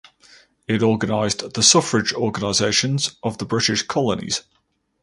It organized the suffrage organisations of the British colonies.